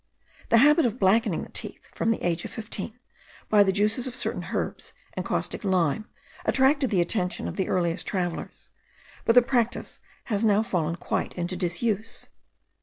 The habit of blackening the teeth, from the age of fifteen, by the juices of certain herbs* and caustic lime, attracted the attention of the earliest travellers; but the practice has now fallen quite into disuse.